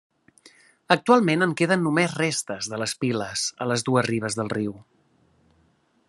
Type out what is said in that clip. Actualment en queden només restes de les piles a les dues ribes del riu.